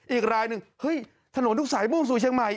อีกรายหนึ่งเฮ้ยถนนทุกสายมุ่งสู่เชียงใหม่